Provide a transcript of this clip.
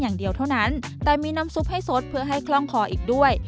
อย่างเดียวเท่านั้นแต่มีน้ำซุปให้สดเพื่อให้คล่องคออีกด้วย